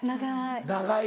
長い。